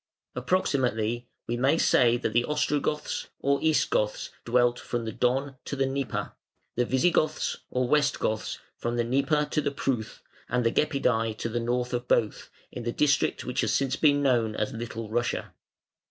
Approximately we may say that the Ostrogoths (or East Goths) dwelt from the Don to the Dnieper, the Visigoths (or West Goths) from the Dnieper to the Pruth, and the Gepidæ to the north of both, in the district which has since been known as Little Russia.